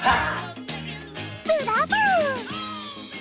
ブラボー！